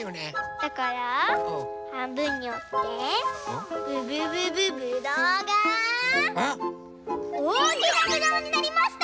だからはんぶんにおってぶぶぶぶぶどうがおおきなぶどうになりました！